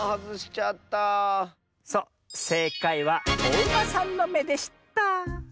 そうせいかいはおウマさんのめでした。